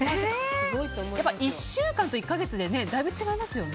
１週間と１か月でだいぶ違いますよね。